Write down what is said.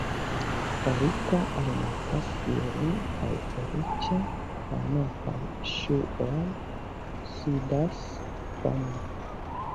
Rika almetas ilin kaj feliĉe la novaj ŝuoj sidas bone.